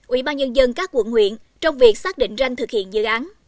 ủy ban nhân dân các quận huyện trong việc xác định ranh thực hiện dự án